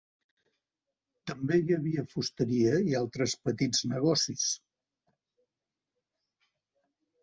També hi havia fusteria i altres petits negocis.